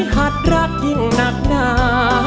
หัดรักยิ่งหนักหนา